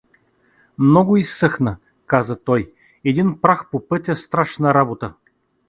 — Много изсъхна — каза той, — един прах по пътя, страшна работа.